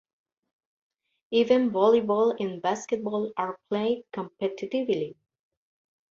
Even volleyball and basketball are played competitively.